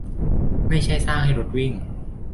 ไม่ใช่สร้างให้รถวิ่ง